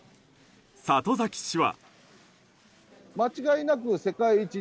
里崎氏は。